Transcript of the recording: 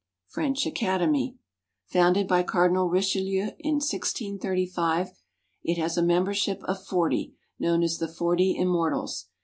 =French Academy.= Founded by Cardinal Richelieu in 1635. It has a membership of forty, known as the "Forty Immortals."